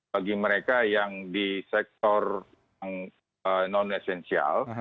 bagi mereka yang di sektor non esensial